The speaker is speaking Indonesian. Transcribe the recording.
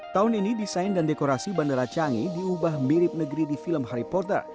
tahun ini desain dan dekorasi bandara canggih diubah mirip negeri di film harry potter